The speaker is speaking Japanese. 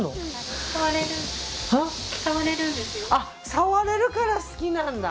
触れるから好きなんだ。